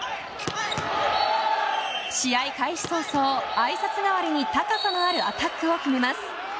試合開始早々あいさつ代わりに高さのあるアタックを決めます。